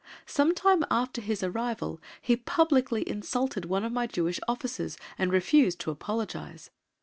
Some time after his arrival he publicly insulted one of my Jewish officers and refused to apologise.